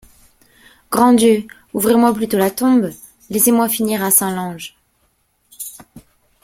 Grand Dieu! ouvrez-moi plutôt la tombe, laissez-moi finir à Saint-Lange !